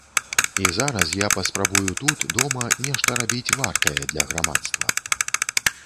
І зараз я паспрабую тут, дома, нешта рабіць вартае для грамадства.